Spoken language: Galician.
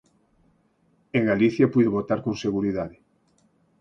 E Galicia puido votar con seguridade.